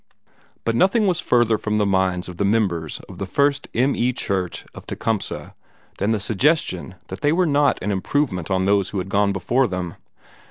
But nothing was further from the minds of the members of the First M. E. Church of Tecumseh than the suggestion that they were not an improvement on those who had gone before them.